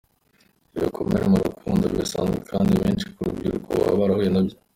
Ibikomere mu rukundo, birasanzwe kandi benshi mu rubyiruko baba barahuye nabyo.